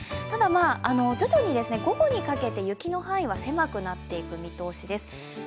ただ、徐々に午後にかけて雪の範囲は狭くなっていく見通しです。